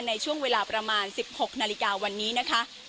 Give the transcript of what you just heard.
ในช่วงเวลาประมาณ๑๖นาฬิกาวันนี้นะคะ